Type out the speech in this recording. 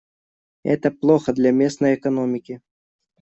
Это плохо для местной экономики.